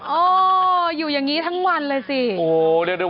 โอ้อยู่อย่างนี้ทั้งวันเลยสิ